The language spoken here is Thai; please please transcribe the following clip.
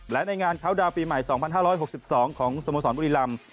และในงานเขาดาวน์ปีใหม่๒๕๖๒ของสโมสรบุรีรำ